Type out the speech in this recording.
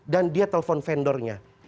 dan dia telpon vendornya